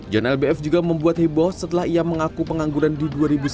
john lbf juga membuat heboh setelah ia mengaku pengangguran di dua ribu sembilan belas